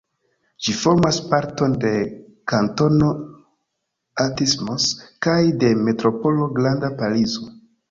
Ĝi formas parton de kantono Athis-Mons kaj de Metropolo Granda Parizo.